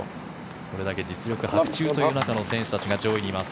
それだけ実力伯仲という中の選手たちが上位にいます